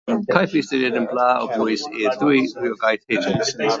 Caiff ei ystyried yn bla o bwys i'r ddwy rywogaeth hyn.